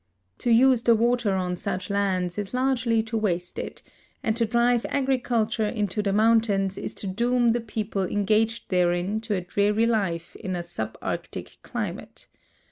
To use the water on such lands is largely to waste it, and to drive agriculture into the moun tains is to doom the people engaged therein to a dreary life in a subarctic climate.